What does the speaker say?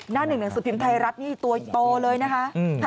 หน้าหนึ่งหนังสือพิมพ์ไทยรัฐนี่ตัวโตเลยนะคะ